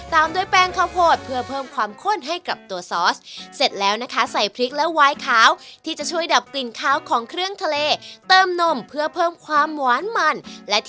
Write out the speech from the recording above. ตามด้วยแปงขาวโพดเพื่อเพิ่มความข้นให้กับตัวซอสเสร็จแล้วนะคะ